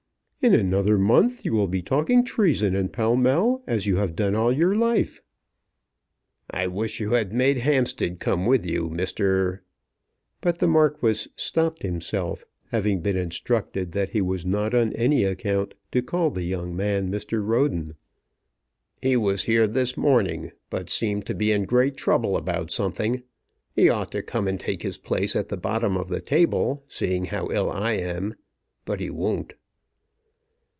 "In another month you will be talking treason in Pall Mall as you have done all your life." "I wish you had made Hampstead come with you, Mr. " But the Marquis stopped himself, having been instructed that he was not on any account to call the young man Mr. Roden. "He was here this morning, but seemed to be in great trouble about something. He ought to come and take his place at the bottom of the table, seeing how ill I am; but he won't."